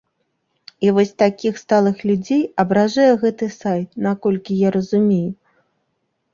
І вось такіх сталых людзей абражае гэты сайт, наколькі я разумею?